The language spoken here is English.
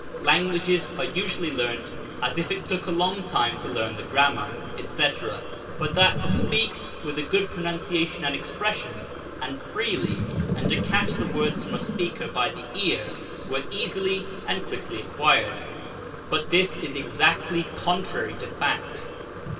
Languages are usually learnt as if it took a long time to learn the grammar, &c, but that to speak with a Digtodb/Google ( 8 ) good pronunciation and expression, and freely, and to catch the words from a speaker by the ear were easily and quickly acquired, but this is exactly contrary to fact.